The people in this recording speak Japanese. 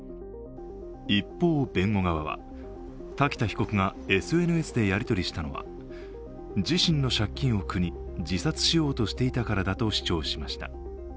一方、弁護側は、瀧田被告がＳＮＳでやり取りしたのは自身の借金を苦に自殺しようとしていたからだと主張しました。